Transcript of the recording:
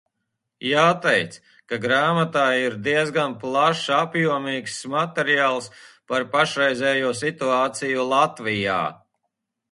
Jāteic, ka grāmatā ir diezgan plašs un apjomīgs materiāls par pašreizējo situāciju Latvijā.